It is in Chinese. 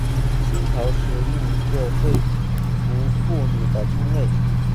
清朝时用作贵族妇女的称谓。